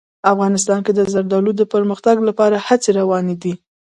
افغانستان کې د زردالو د پرمختګ لپاره هڅې روانې دي.